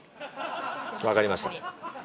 分かりました。